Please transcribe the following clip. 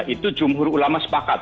itu jumhur ulama sepakat